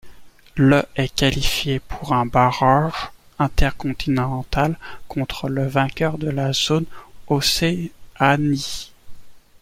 Le est qualifié pour un barrage intercontinental contre le vainqueur de la zone Océanie.